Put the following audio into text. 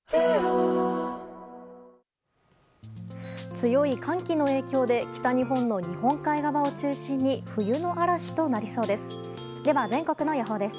強い寒気の影響で北日本の日本海側を中心に冬の嵐となりそうです。